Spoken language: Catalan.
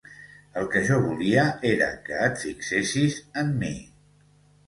El que jo volia era que et fixessis en mi.